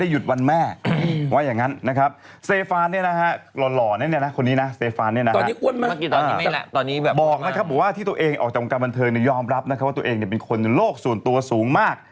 ยอมรับว่าตัวเองเป็นคนโลกส่วนตัวสูงมาก